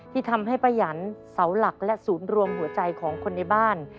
ที่ทำให้ป้ายันเสาหลักและศูนย์รวมหัวใจของคนในบ้าน